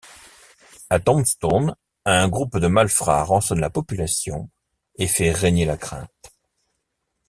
À Tombstone, un groupe de malfrats rançonne la population, et fait régner la crainte.